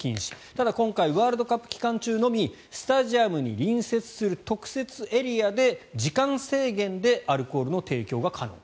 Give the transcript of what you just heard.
ただ、今回ワールドカップ期間中のみスタジアムに隣接する特設エリアで時間制限でアルコールの提供が可能。